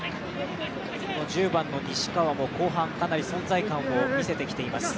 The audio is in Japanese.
１０番の西川も後半、かなり存在感を見せてきています。